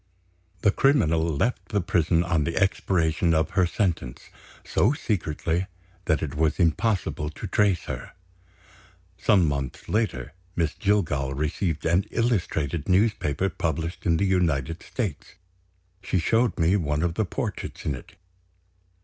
The criminal left the prison, on the expiration of her sentence, so secretly that it was impossible to trace her. Some months later, Miss Jillgall received an illustrated newspaper published in the United States. She showed me one of the portraits in it.